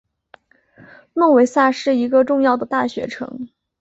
诺维萨是一个重要的大学城。